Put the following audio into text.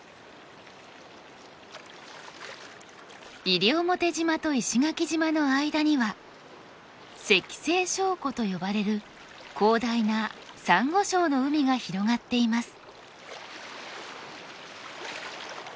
西表島と石垣島の間には石西礁湖と呼ばれる広大なサンゴ礁の海が広がっています。